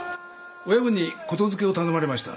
親分に言づけを頼まれました。